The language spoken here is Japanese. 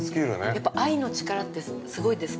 ◆やっぱ愛の力ってすごいですか。